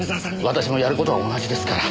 私もやる事は同じですから。